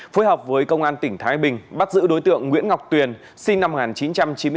phối hợp với công an tỉnh thái bình bắt giữ đối tượng nguyễn ngọc tuyền sinh năm một nghìn chín trăm chín mươi bốn